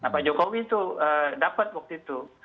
pak jokowi itu dapat waktu itu